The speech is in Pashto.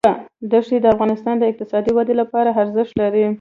دښتې د افغانستان د اقتصادي ودې لپاره ارزښت لري.